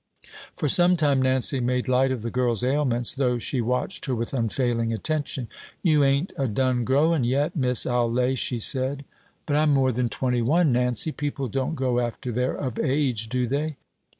For some time Nancy made light of the girl's ailments, though she watched her with unfailing attention. "You ain't a done growing yet, miss, I'll lay," she said. "But I'm more than twenty one, Nancy. People don't grow after they're of age, do they?"